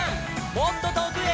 「もっととおくへ」